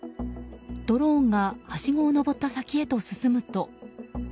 ドローンがはしごを上った先へと進むと。